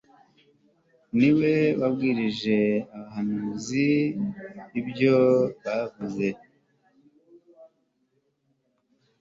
ni we wabwirij'abahanuz'ibyo bavuze